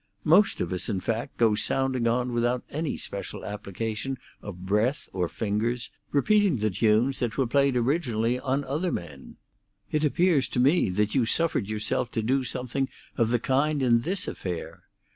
Most of us, in fact, go sounding on without any special application of breath or fingers, repeating the tunes that were played originally upon other men. It appears to me that you suffered yourself to do something of the kind in this affair.